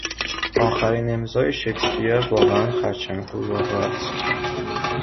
آخرین امضای شکسپیر واقعا خرچنگ قورباغه است.